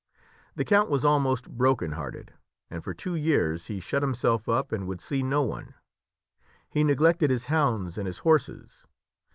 The count was almost broken hearted, and for two years he shut himself up and would see no one. He neglected his hounds and his horses.